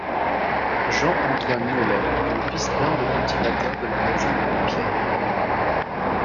Jean-Antoine Nollet est le fils d'humbles cultivateurs de la région de Compiègne.